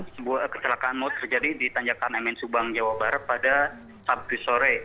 sebuah kecelakaan maut terjadi di tanjakan mn subang jawa barat pada sabtu sore